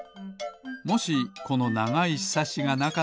もしこのながいひさしがなかったら。